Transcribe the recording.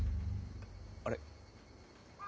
あれ？